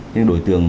nhưng đối tượng